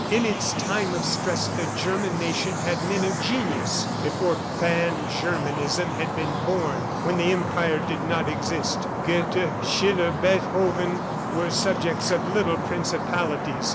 ... In its time of stress the German nation had men of genius, before Pan Germanism had been born, when the Empire did not exist. Goethe, Schiller, Beethoven were subjects of little principalities.